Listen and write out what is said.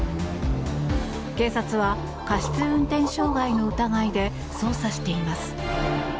警察は過失運転傷害の疑いで捜査しています。